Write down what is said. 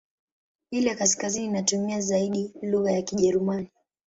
Ile ya kaskazini inatumia zaidi lugha ya Kijerumani.